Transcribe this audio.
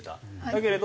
だけれど。